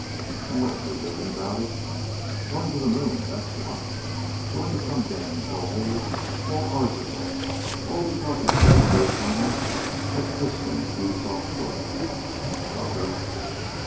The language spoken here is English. And what was he doing about it? Going to the moon, that's what. Going to some damned hell hole called Arzachel, all because a smooth bird colonel had pitched him a few soft words. Sucker!